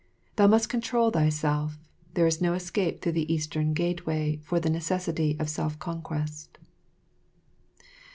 Thou must control thyself, there is no escape through the Eastern Gateway for the necessity of self conquest."